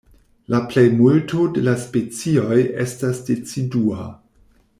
La plejmulto de la specioj estas decidua.